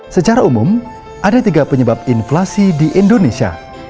secara umum ada tiga penyebab inflasi di indonesia